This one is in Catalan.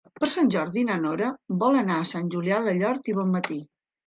Per Sant Jordi na Nora vol anar a Sant Julià del Llor i Bonmatí.